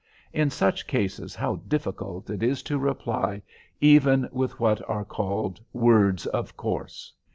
In such cases how difficult it is to reply even with what are called "words of course."